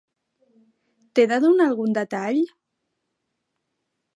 T'he de donar algun detall?